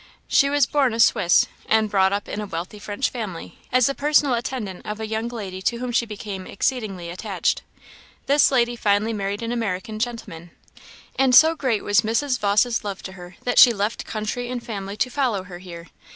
She was born a Swiss, and brought up in a wealthy French family, as the personal attendant of a young lady to whom she became exceedingly attached. This lady finally married an American gentleman; and so great was Mrs. Vawse's love to her, that she left country and family to follow her here.